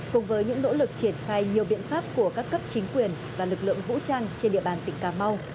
cùng với những nỗ lực triển khai nhiều biện pháp của các cấp chính quyền và lực lượng vũ trang trên địa bàn tỉnh cà mau